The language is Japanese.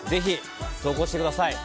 投稿してください。